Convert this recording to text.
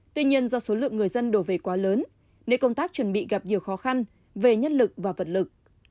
tuy nhiên do số lượng người dân đổ về quá lớn nên công tác chuẩn bị gặp nhiều khó khăn về nhân lực và vật lực